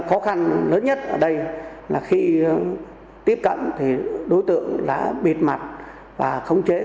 khó khăn lớn nhất ở đây là khi tiếp cận thì đối tượng đã bịt mặt và khống chế